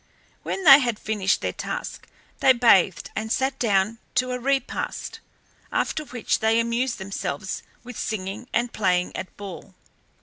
When they had finished their task they bathed and sat down to a repast, after which they amused themselves with singing and playing at ball.